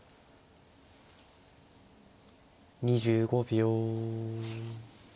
２５秒。